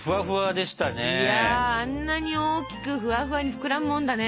いやあんなに大きくフワフワに膨らむもんだね。